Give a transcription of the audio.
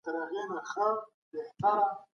د دلارام په ښوونځیو کي ډېر کشران زده کړي کوي.